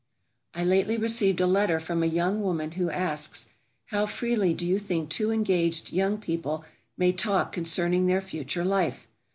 I lately received a letter from a young woman who asks, "How freely do you think two engaged young people may talk concerning their future life?